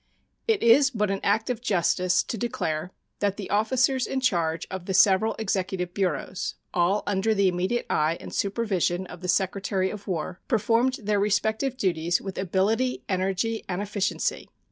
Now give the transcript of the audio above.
It is but an act of justice to declare that the officers in charge of the several executive bureaus, all under the immediate eye and supervision of the Secretary of War, performed their respective duties with ability, energy, and efficiency.